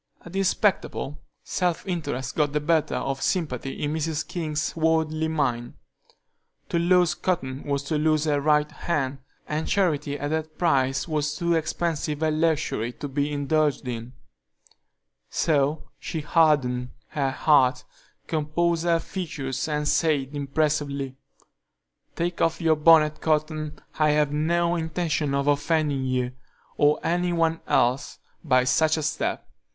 At this spectacle, self interest got the better of sympathy in Mrs. King's worldly mind. To lose Cotton was to lose her right hand, and charity at that price was too expensive a luxury to be indulged in; so she hardened her heart, composed her features, and said, impressively: "Take off your bonnet, Cotton; I have no intention of offending you, or any one else, by such a step.